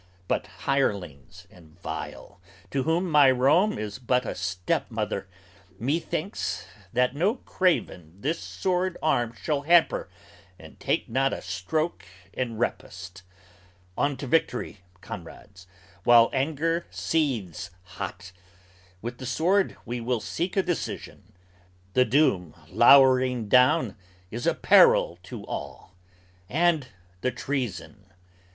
But hirelings, and vile, to whom my Rome is but a Stepmother! Methinks that no craven this sword arm shall hamper And take not a stroke in repost. On to victory, comrades, While anger seethes hot. With the sword we will seek a decision The doom lowering down is a peril to all, and the treason.